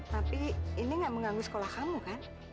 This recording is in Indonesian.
tapi ini gak mengganggu sekolah kamu kan